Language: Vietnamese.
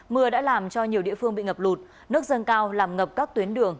mưa đã làm cho nhiều địa phương bị ngập lụt nước dâng cao làm ngập các tuyến đường